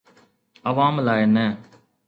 عوام لاءِ نه.